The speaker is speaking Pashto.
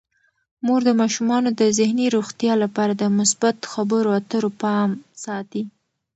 مور د ماشومانو د ذهني روغتیا لپاره د مثبت خبرو اترو پام ساتي.